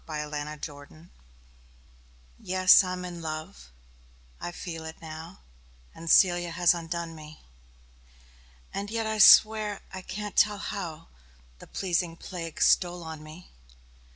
Y Z The Je Ne Scai Quoi YES, I'm in love, I feel it now, And Cælia has undone me; And yet I'll swear I can't tell how The pleasing plague stole on me.